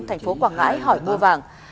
thành phố quảng ngãi hỏi bưa vàng